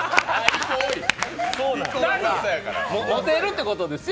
モテるってことですよ。